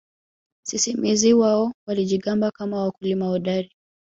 Sisimizi wao walijigamba kama wakulima hodari